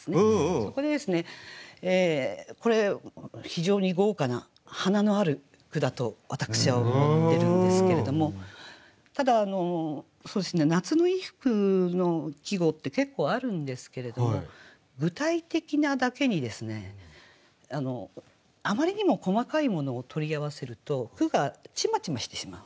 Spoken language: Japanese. そこでこれ非常に豪華な華のある句だと私は思ってるんですけれどもただ夏の衣服の季語って結構あるんですけれども具体的なだけにあまりにも細かいものを取り合わせると句がちまちましてしまう。